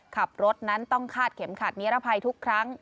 ขับรถนั้นต้องคาดเข็มขัดนิรภัยทุกครั้ง